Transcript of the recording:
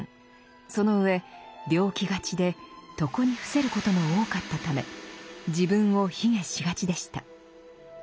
その上病気がちで床に伏せることも多かったため自分を卑下しがちでした。